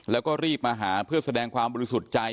แล้วก็รีบมาหาเพื่อแสดงความบริสุทธิ์ใจ